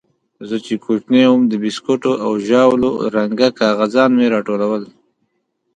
زه چې کوچنى وم د بيسکوټو او ژاولو رنګه کاغذان مې راټولول.